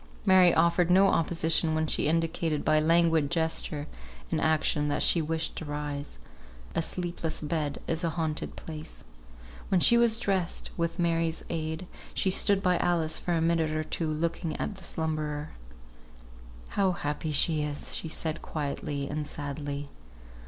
Mary offered no opposition when she indicated by languid gesture and action that she wished to rise. A sleepless bed is a haunted place. When she was dressed with Mary's help, she stood by Alice for a minute or two, looking at the slumberer. "How happy she is!" said she, quietly and sadly.